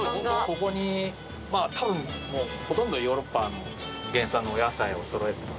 ここにまあ多分もうほとんどヨーロッパの原産のお野菜をそろえてますので。